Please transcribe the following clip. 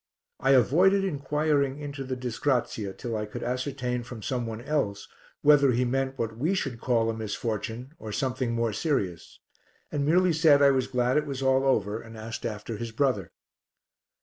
I avoided inquiring into the disgrazia till I could ascertain from some one else whether he meant what we should call a misfortune or something more serious and merely said I was glad it was all over and asked after his brother.